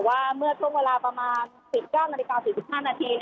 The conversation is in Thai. ว่าเมื่อช่วงเวลาประมาณ๑๙นาฬิกา๔๕นาที